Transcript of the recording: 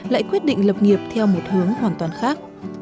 lại quyết định lập nghiệp theo một hướng hoàn toàn khác